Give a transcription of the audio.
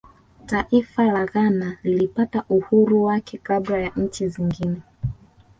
taifa la ghana lilipata uhuru wake kabla ya nchi zingine